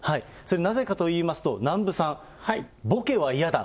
なぜかといいますと、南部さん、ボケは嫌だ。